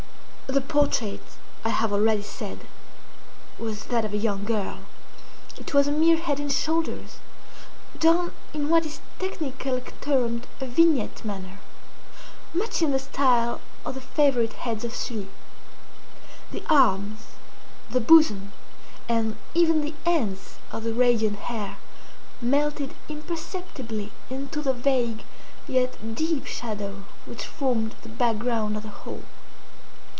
The portrait, I have already said, was that of a young girl. It was a mere head and shoulders, done in what is technically termed a vignette manner; much in the style of the favorite heads of Sully. The arms, the bosom, and even the ends of the radiant hair melted imperceptibly into the vague yet deep shadow which formed the back ground of the whole.